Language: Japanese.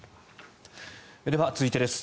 では、続いてです。